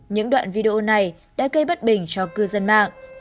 những đoạn video này đã gây bất bình cho cư dân mạng